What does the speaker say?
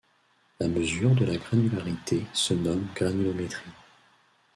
La mesure de la granularité se nomme granulométrie.